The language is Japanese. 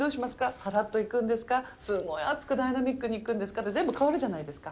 さらっといくんですか、すごい熱くダイナミックにいくんですかって、全部変わるじゃないですか。